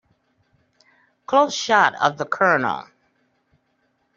Close shot of the COLONEL.